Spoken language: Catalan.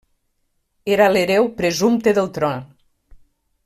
Era l'hereu presumpte del tron.